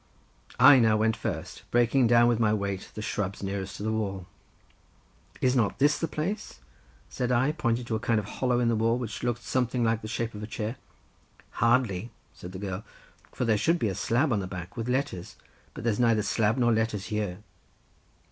I now went first, breaking down with my weight the shrubs nearest to the wall. "Is not this the place?" said I, pointing to a kind of hollow in the wall, which looked something like the shape of a chair. "Hardly," said the girl, "for there should be a slab, on the back, with letters, but there's neither slab nor letters here."